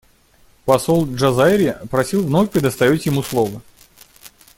Посол Джазайри просил вновь предоставить ему слово.